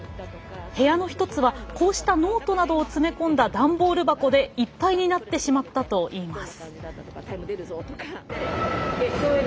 部屋の一つはこうしたノートなどを詰め込んだ段ボール箱でいっぱいになってしまったといいます。